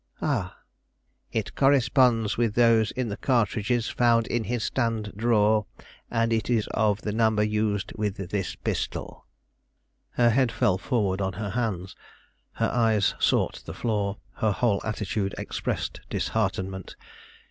"Ah!" "It corresponds with those in the cartridges found in his stand drawer, and is of the number used with this pistol." Her head fell forward on her hands; her eyes sought the floor; her whole attitude expressed disheartenment.